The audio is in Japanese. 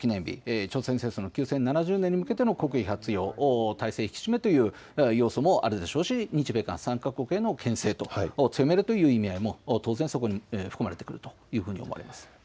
記念日、朝鮮戦争の休戦７０年に向けての国威発揚、体制引き締めという要素もあるでしょうし、日米韓３か国へのけん制を強めるという意味合いも当然、含まれてくると思います。